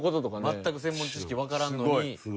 全く専門知識わからんのに。